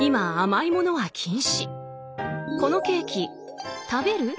このケーキ食べる？